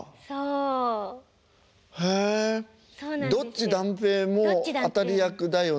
ドッジ弾平も当たり役だよね。